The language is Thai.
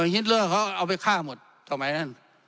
หินทเลอร์เขาเอาไปฆ่าหมดทำไมนั่น